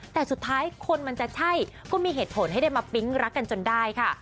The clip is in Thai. แต่สุดท้ายคนมันจะใช่ก็มีเหตุผลให้ได้มาปิ๊งรักกันจนได้ค่ะ